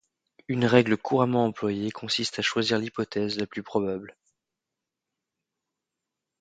Une règle couramment employée consiste à choisir l'hypothèse la plus probable.